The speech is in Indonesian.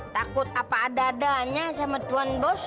takut apa ada adanya sama tuan bos